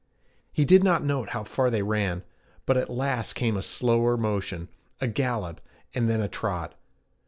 He did not note how far they ran; but at last came a slower motion, a gallop, and then a trot.